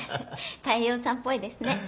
大陽さんっぽいですね。